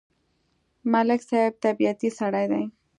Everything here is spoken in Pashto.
ملک صاحب طبیعتی سړی دی.